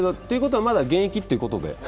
ということは、まだ現役ということで。